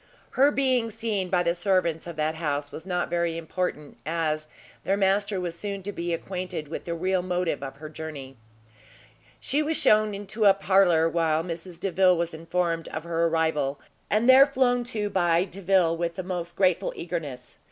Her being seen by the servants of that house was not very important, as their master was soon to be acquainted with the real motive of her journey. She was shewn into a parlour, while Mrs Delvile was informed of her arrival, and there flown to by Delvile with the most grateful eagerness.